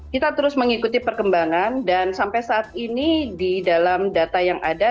kita terus mengikuti perkembangan dan sampai saat ini di dalam data yang ada